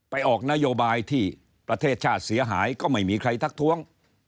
ออกนโยบายที่ประเทศชาติเสียหายก็ไม่มีใครทักท้วง